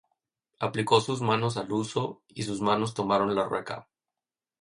Aplicó sus manos al huso, Y sus manos tomaron la rueca.